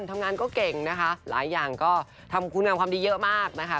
ทำงานก็เก่งนะคะหลายอย่างก็ทำคุณงามความดีเยอะมากนะคะ